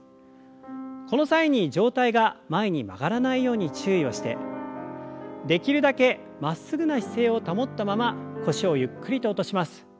この際に上体が前に曲がらないように注意をしてできるだけまっすぐな姿勢を保ったまま腰をゆっくりと落とします。